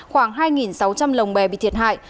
khoảng hai sáu trăm linh lồng bè bị thiệt hại